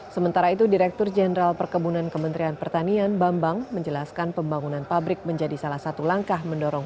sementara itu direktur jenderal perkebunan kementerian pertanian bambang menjelaskan pembangunan pabrik menjadi salah satu langkah mendorong